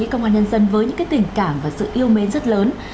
công an nhân dân với những tình cảm và sự yêu mến rất lớn